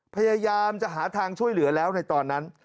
พยายามจะหาทางช่วยเหลือแล้วในตอนนั้น